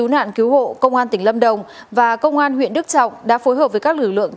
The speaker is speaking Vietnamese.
nạn cứu hộ công an tỉnh lâm đồng và công an huyện đức trọng đã phối hợp với các lực lượng